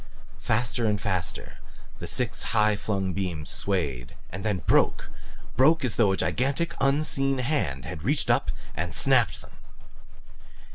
Faster and faster the six high flung beams swayed and then broke broke as though a gigantic, unseen hand had reached up and snapped them!